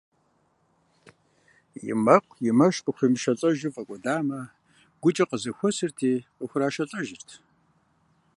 И мэкъу, и мэш къыхуемышэлӀэжу фӀэкӀуэдамэ, гукӀэ къызэхуэсырти къыхурашэлӀэжырт.